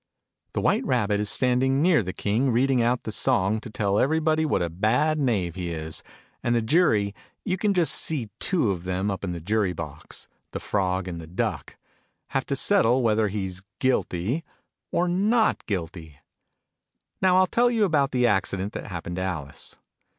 The White Rabbit is standing near the King, reading out the Song, to tell everybody what a bad Knave he is : and the Jury (you enn just see two of them, up in the Jury box, Digitized by Google WHO STOLE THE TARTS ? 51 the Frog and the Duck ) have to settle whether lie's " guilty " or " not guilty." Now I'll tell you about the accident that happened to Alice.